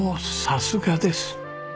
さすがです。